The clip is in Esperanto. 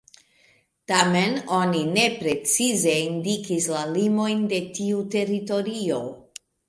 Tamen, oni ne precize indikis la limojn de tiu teritorio.